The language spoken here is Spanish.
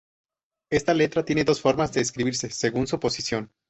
Esta letra tiene dos formas de escribirse, según su posición.